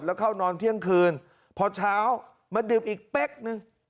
แล้วเข้านอนเที่ยงคืนพอเช้ามาดื่มอีกเป๊กนึง